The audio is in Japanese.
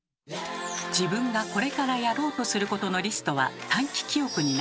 自分がこれからやろうとすることのリストは短期記憶になります。